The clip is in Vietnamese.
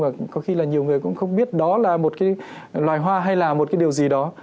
và có khi là nhiều người cũng không biết đó là một cái loài hoa hay là một cái điều gì đó